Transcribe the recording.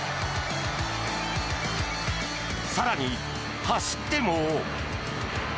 更に走っても。